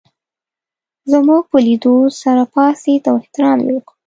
زموږ په لېدو سره پاڅېد احترام یې وکړ.